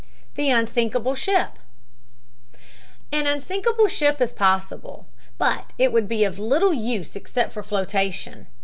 THE UNSINKABLE SHIP "An unsinkable ship is possible, but it would be of little use except for flotation.